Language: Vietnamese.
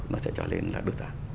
nó sẽ trở nên là đơn giản